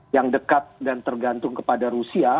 yang dekat dan tergantung kepada rusia